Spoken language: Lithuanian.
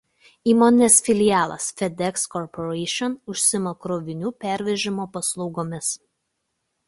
Įmonės filialas „FedEx Corporation“ užsiima krovinių pervežimo paslaugomis.